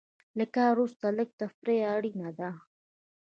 له کار وروسته لږه تفریح اړینه ده.